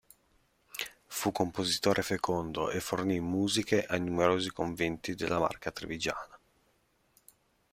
Fu compositore fecondo e fornì musiche ai numerosi conventi della marca trevigiana.